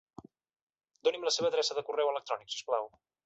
Doni'm la seva adreça de correu electrònic si us plau.